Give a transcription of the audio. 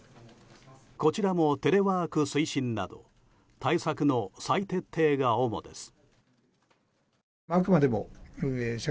こちらもテレワーク推進など対策の再徹底が主です。